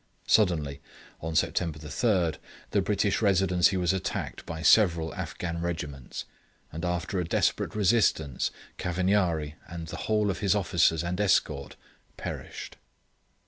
Suddenly, on September 3, the British Residency was attacked by several Afghan regiments, and after a desperate resistance, Cavagnari and the whole of his officers and escort perished.